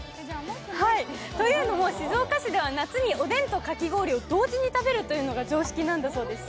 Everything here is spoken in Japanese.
というのも、静岡市では夏におでんとかき氷を同時に食べるというのが常識なんだそうです。